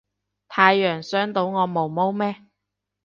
太陽傷到我毛毛咩